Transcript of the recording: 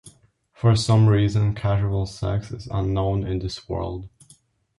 For some reason, casual sex is unknown in this world.